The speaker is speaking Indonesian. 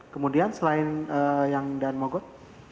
kemudian selain yang danmogot